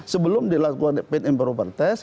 sebelum dilakukan paint improper test